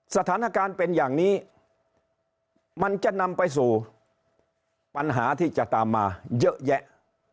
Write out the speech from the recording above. สถานการณ์เป็นอย่างนี้มันจะนำไปสู่ปัญหาที่จะตามมาเยอะแยะ